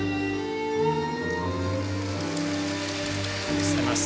見せます。